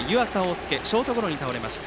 翼はショートゴロに倒れました。